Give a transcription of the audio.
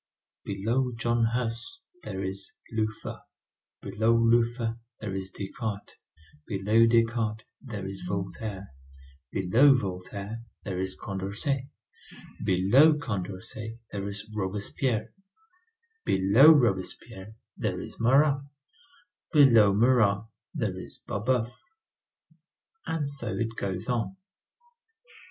Below John Huss, there is Luther; below Luther, there is Descartes; below Descartes, there is Voltaire; below Voltaire, there is Condorcet; below Condorcet, there is Robespierre; below Robespierre, there is Marat; below Marat there is Babeuf. And so it goes on.